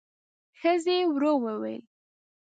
ښځې ورو وويل: